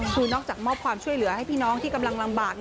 คือนอกจากมอบความช่วยเหลือให้พี่น้องที่กำลังลำบาก